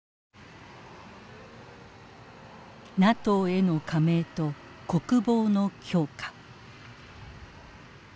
ＮＡＴＯへの加盟と国防の強化。